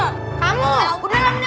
udah aku udah berantem